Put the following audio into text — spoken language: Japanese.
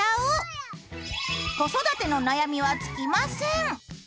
子育ての悩みは尽きません。